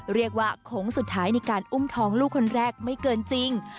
โค้งสุดท้ายในการอุ้มท้องลูกคนแรกไม่เกินจริง